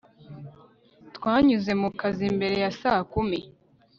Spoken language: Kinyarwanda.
twanyuze mu kazi mbere ya saa kumi